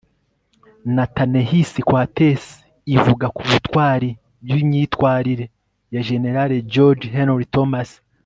na ta-nehisi coates ivuga ku butwari bw'imyitwarire ya jenerali george henry thomas